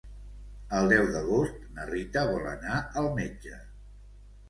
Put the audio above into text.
El deu d'agost na Rita vol anar al metge.